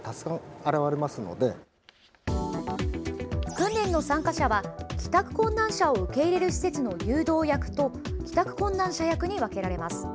訓練の参加者は帰宅困難者を受け入れる施設の誘導役と帰宅困難者役に分けられます。